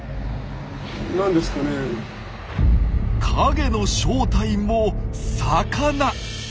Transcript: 影の正体も魚！